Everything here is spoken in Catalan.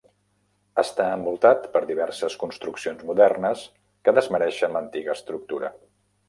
Està envoltat per diverses construccions modernes que desmereixen l'antiga estructura.